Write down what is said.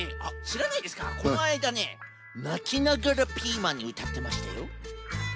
このあいだねなきながらピーマンにうたってましたよ。